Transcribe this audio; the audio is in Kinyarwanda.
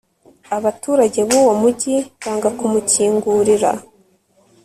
abaturage b'uwo mugi banga kumukingurira